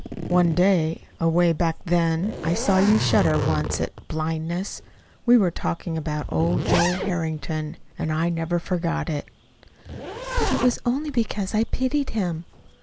One day, away back then, I saw you shudder once at blindness. We were talking about old Joe Harrington. And I never forgot it." "But it was only because I pitied him."